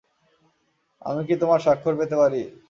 আমি কি তোমার সাক্ষর পেতে পারি?